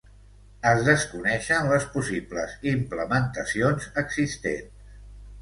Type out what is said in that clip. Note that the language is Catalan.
Es desconeixen les possibles implementacions existents.